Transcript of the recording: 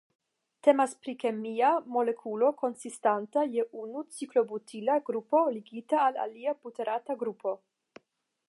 Temas pri kemia molekulo konsistanta je unu ciklobutila grupo ligita al alia buterata grupo.